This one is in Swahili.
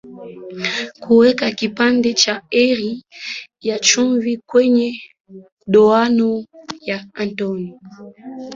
kuweka kipande cha herring ya chumvi kwenye ndoano ya Antony